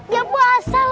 ya puasa lah